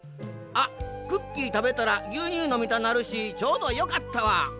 「あっクッキーたべたらぎゅうにゅうのみたなるしちょうどよかったわ。